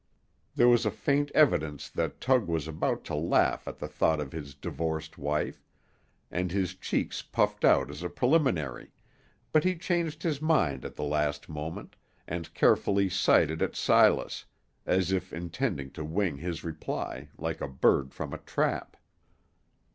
There was a faint evidence that Tug was about to laugh at the thought of his divorced wife, and his cheeks puffed out as a preliminary, but he changed his mind at the last moment, and carefully sighted at Silas, as if intending to wing his reply, like a bird from a trap.